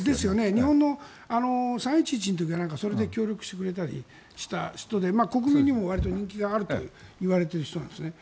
日本の３・１１の時は協力してくれたり国民にもわりと人気があるといわれている人なんですね。